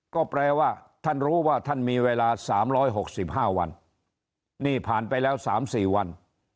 ก็แปลว่าท่านรู้ว่าท่านมีเวลา๓๖๕วันนี่ผ่านไปแล้ว๓๔วัน